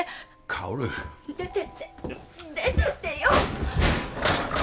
香出てって出てってよ！